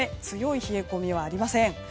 強い冷え込みはありません。